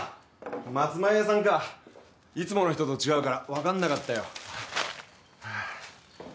松前屋さんかいつもの人と違うから分かんなかったよ